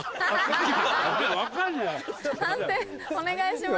判定お願いします。